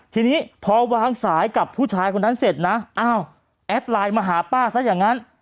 ทีนี้พอวางสายกับผู้ชายคนนั้นเสร็จนะอ้าวแอดไลน์มาหาป้าซะอย่างนั้น